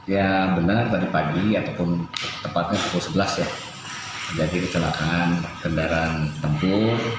ya benar tadi pagi ataupun tepatnya pukul sebelas ya jadi kecelakaan kendaraan tempuh